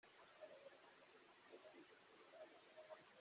Iyi nkunga ishobora kuba iziye igihe